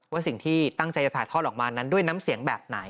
ว่าสิ่งที่ตั้งใจจะถ่ายทอดออกมานั้นด้วยน้ำเสียงแบบไหน